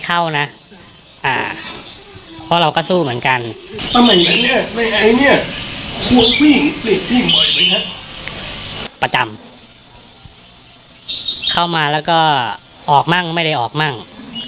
เพราะเราก็สู้เหมือนกันเนี่ยประจำเข้ามาแล้วก็ออกมั่งไม่ได้ออกมั่ง